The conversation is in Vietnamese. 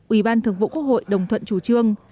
ủy ban thường vụ quốc hội đồng thuận chủ trương